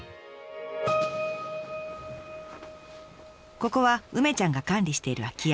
ここは梅ちゃんが管理している空き家。